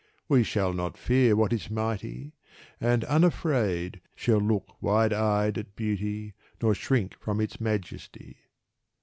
We shall not fear what is mighty, and unafraid Shall look wide eyed at beauty, nor shrink from its majesty."